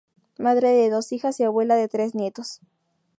Madre de dos hijas y abuela de tres nietos.